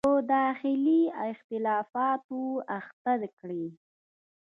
په داخلي اختلافاتو اخته کړي.